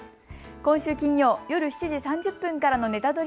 今週金曜夜７時３０分からのネタドリ！